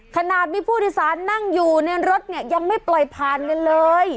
ขนาดมีผู้โดยสารนั่งอยู่ในรถเนี่ยยังไม่ปล่อยผ่านกันเลย